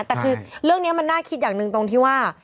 แต่คือเรื่องนี้มันน่าคิดอย่างหนึ่งตรงที่ว่า